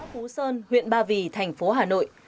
phú sơn huyện ba vì thành phố hà nội